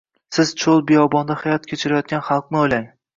Siz, cho‘l-biyobonda hayot kechirayotgan xalqni o‘ylang!